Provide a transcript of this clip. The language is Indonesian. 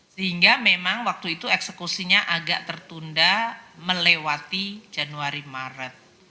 sehingga memang waktu itu eksekusinya agak tertunda melewati januari maret